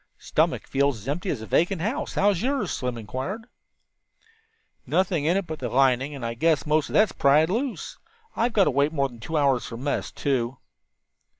"Stomach feels as empty as a vacant house; how's yours?" Slim inquired. "Nothing in it but the lining, and I guess most of that's pried loose. We've got to wait more than two hours for mess, too."